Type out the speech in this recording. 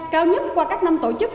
cao nhất qua các năm tổ chức